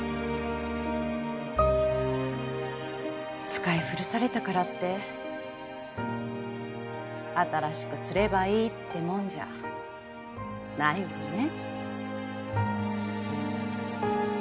使い古されたからって新しくすればいいってもんじゃないわね。